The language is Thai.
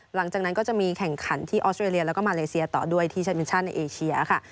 หลังจากนั้นก็จะมีแข่งขันที่ออสเตรเลียแล้วก็มาเลเซียต่อด้วยที่แชมมินชั่นในเอเชียค่ะ